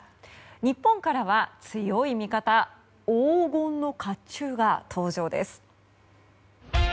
日本からは強い味方黄金の甲冑が登場です。